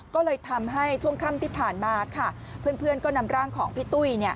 ก็เลยทำให้ช่วงค่ำที่ผ่านมาค่ะเพื่อนก็นำร่างของพี่ตุ้ย